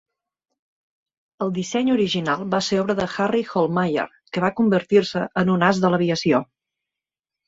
El disseny original va ser obra de Harry Hollmeyer, que va convertir-se en un as de l'aviació.